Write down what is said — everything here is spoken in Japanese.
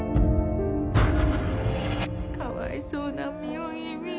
かわいそうな澪君。